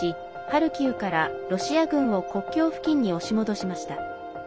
ハルキウからロシア軍を国境付近に押し戻しました。